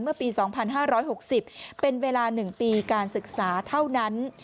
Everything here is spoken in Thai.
เมื่อปี๒๕๖๐เป็นเวลา๑ปีการศึกษาเท่านั้น